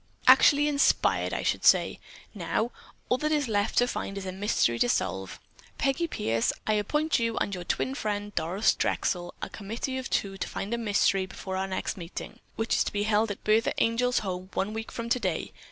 "Actually inspired, I should say. Now, all that is left is to find a mystery to solve. Peggy Pierce, I appoint you and your twin friend, Doris Drexel, a committee of two to find a mystery before our next meeting, which is to be held at Bertha Angel's home one week from today.